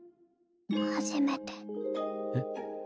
初めて。えっ？